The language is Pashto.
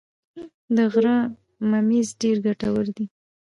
د غره ممیز ډیر ګټور دي